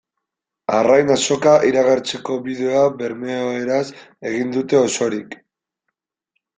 Arrain Azoka iragartzeko bideoa bermeoeraz egin dute osorik.